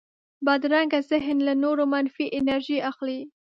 بدرنګه ذهن له نورو منفي انرژي اخلي